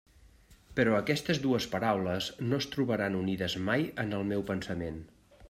Però aquestes dues paraules no es trobaran unides mai en el meu pensament.